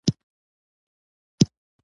ـ کور دې په کلي کې دى ديدن د په کالو.